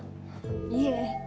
いえ。